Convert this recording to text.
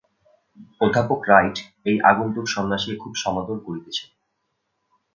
অধ্যাপক রাইট এই আগন্তুক সন্ন্যাসীকে খুব সমাদর করিতেছেন।